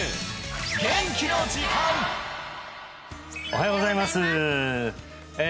おはようございますえ